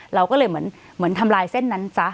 เราก็เลยเหมือนทำลายเส้นนั้นซะ